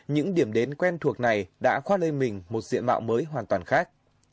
những điểm đến quen thuộc này đã khoát lên mình một diện mạo mới hoàn toàn khác